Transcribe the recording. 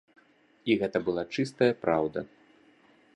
І гэта была чыстая праўда!